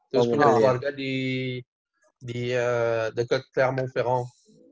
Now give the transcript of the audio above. terus punya keluarga di di deket clermont ferrand